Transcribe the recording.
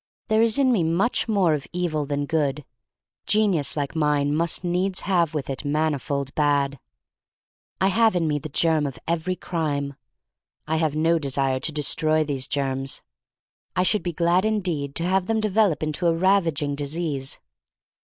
There is in me much more of evil than of good. Genius like mine must needs have with it manifold bad. "I have in me the germ of every crime." I have no desire to destroy these germs. I should be glad indeed to have them develop into a ravaging disease.